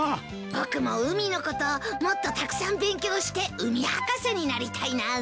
僕も海のことをもっとたくさん勉強して海博士になりたいな。